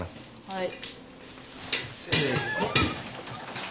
はい。